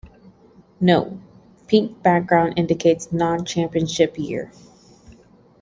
Note: Pink background indicates non-Championship year.